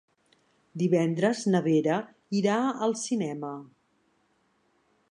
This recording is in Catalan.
Divendres na Vera irà al cinema.